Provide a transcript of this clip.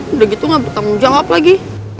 udah gitu nggak bertanggung jawab lagi